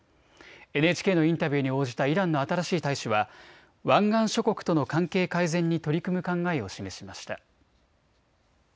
ＮＨＫのインタビューに応じたイランの新しい大使は湾岸諸国との関係改善に取り組む考えを示しました。